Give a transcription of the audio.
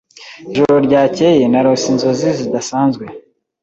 Ijoro ryakeye narose inzozi zidasanzwe.